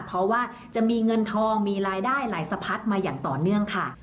เพราะว่าจะมีเงินทองมีรายได้ไหลสะพัดมาอย่างต่อเนื่องค่ะ